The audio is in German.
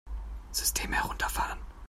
System herunterfahren!